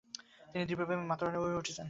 তিনি দিব্যপ্রেমে মাতোয়ারা হয়ে উঠেছেন।